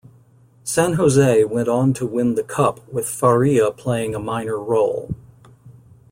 San Jose went on to win the Cup with Faria playing a minor role.